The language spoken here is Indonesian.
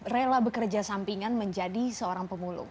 rela bekerja sampingan menjadi seorang pemulung